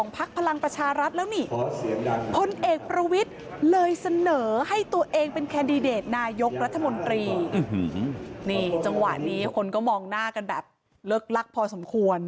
พักรัฐมนตรีนี่จังหวะนี้คนก็มองหน้ากันแบบเลิกลักษณ์พอสมควร